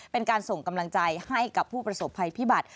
เป็นการส่งกำลังใจให้กับผู้ประสบภัยพิบัติ